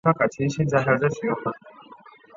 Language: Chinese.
洪秀全死后尸体被秘密葬在天王府的后花园内。